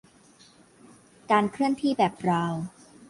"การเคลื่อนที่แบบบราวน์"